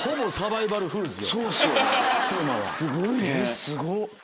すごっ。